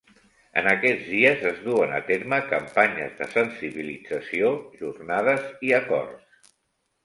En aquests dies es duen a terme campanyes de sensibilització, jornades i acords.